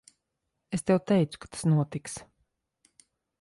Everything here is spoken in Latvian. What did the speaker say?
Es tev teicu, ka tas notiks.